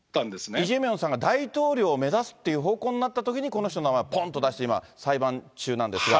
イ・ジェミョンさんが大統領を目指すっていう方向になったときに、この人の名前ぽんと出して、今、裁判中なんですが。